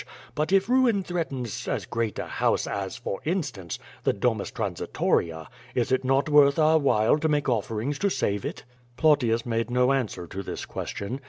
But if ruin threatens as great a house, as, for instance, the Domus Transitoria, is it not worth our while to make offer ings to save it?'' Plautius made no answer to this question.